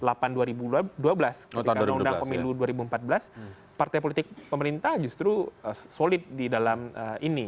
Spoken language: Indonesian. ketika undang undang pemilu dua ribu empat belas partai politik pemerintah justru solid di dalam ini